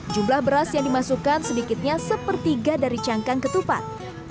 jumlah beras yang dimasukkan sedikitnya sepertiga dari cangkang ketupat